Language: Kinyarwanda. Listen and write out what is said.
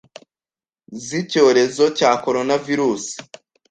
z’icyorezo cya Coronavirus.